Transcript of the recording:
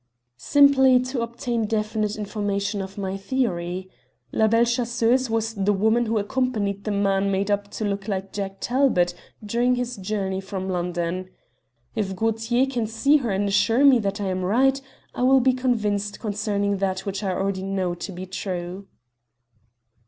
"Simply to obtain definite confirmation of my theory. La Belle Chasseuse was the woman who accompanied the man made up to look like Jack Talbot during his journey from London. If Gaultier can see her and assure me that I am right I will be convinced concerning that which I already know to be true."